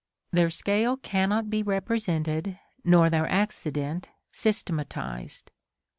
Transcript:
Their scale cannot be represented, nor their accident systematised.